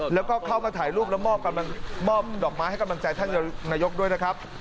แล้วก็เข้ามาถ่ายรูปแล้วมอบดอกไม้ให้กำลังใจท่านนายกด้วยนะครับ